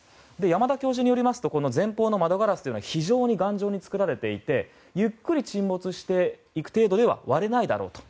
山田教授によりますと前方の窓ガラスは非常に頑丈に作られていてゆっくり沈没していく程度では割れないだろうと。